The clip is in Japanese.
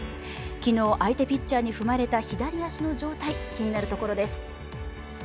昨日、相手ピッチャーに踏まれた左足の状態、気になるところです。